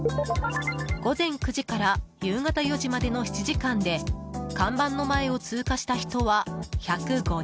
午前９時から夕方４時までの７時間で看板の前を通過した人は１０５人。